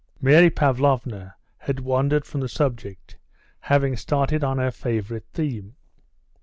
Mary Pavlovna had wandered from the subject, having started on her favourite theme.